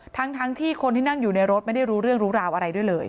ทั้งที่คนที่นั่งอยู่ในรถไม่ได้รู้เรื่องรู้ราวอะไรด้วยเลย